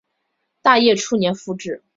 大业初年复置。